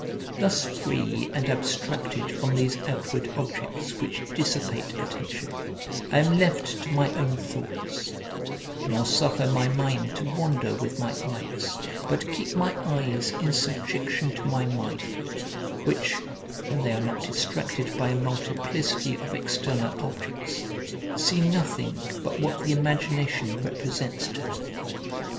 Thus free and abstracted from these outward objects which dissipate attention, I am left to my own thoughts; nor suffer my mind to wander with my eyes, but keep my eyes in subjection to my mind, which, when they are not distracted by a multiplicity of external objects, see nothing but what the imagination represents to them.